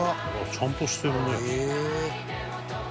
「ちゃんとしてるね」